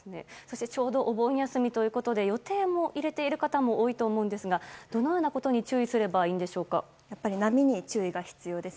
ちょうどお盆休みということで予定を入れている方も多いと思いますがどのようなことにやっぱり波に注意が必要です。